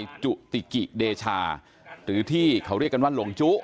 จุติกิเดชาหรือที่เขาเรียกกันว่าหลงจุ